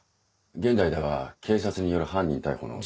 現在では警察による犯人逮捕の。